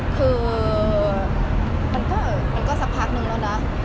คือมันก็สักพักนึงแล้วนะ